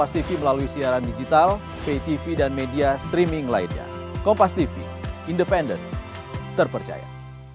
siapapun pemainnya pasti semua pemain akan memberikan yang terbaik